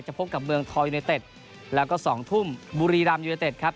พบกับเมืองทองยูเนเต็ดแล้วก็๒ทุ่มบุรีรัมยูเนเต็ดครับ